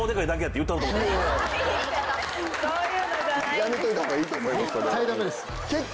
やめといた方がいいと思います。